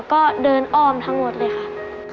ก็เดินอ้อมทั้งหมดเลยค่ะ